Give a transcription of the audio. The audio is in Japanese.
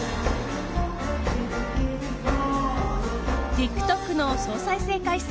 ＴｉｋＴｏｋの総再生回数